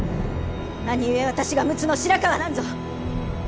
何故私が陸奥の白河なんぞ！